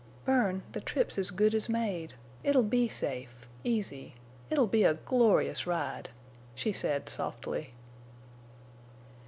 "Bern, the trip's as good as made. It'll be safe—easy. It'll be a glorious ride," she said, softly.